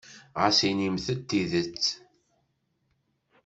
Ɣas inimt-d tidet.